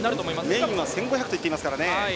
メインが１５００といっていますからね。